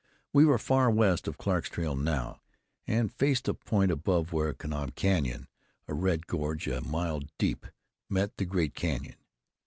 We were far west of Clarke's trail now, and faced a point above where Kanab Canyon, a red gorge a mile deep, met the great canyon.